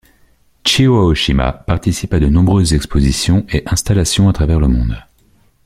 Chiho Aoshima participe à de nombreuses expositions et installations à travers le monde.